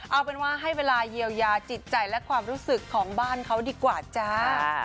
เอาเป็นว่าให้เวลาเยียวยาจิตใจและความรู้สึกของบ้านเขาดีกว่าจ้า